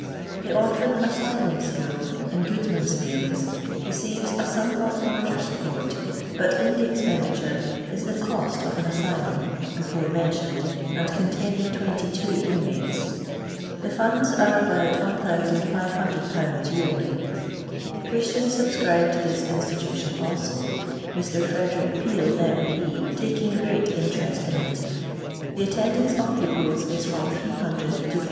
The Orphan Asylum School, in GfoodmanV fields, receires a somewhat larger support, but in the expenditure is the cost of an asylum (before mentioned, and containing 22 inmates). The funds are about 1500/. yearly. Christians sub scribe to this institution also — Mr. Frederick Feel, M.P., taking great interest in it. The attendance of pupils \M from 300 to 400.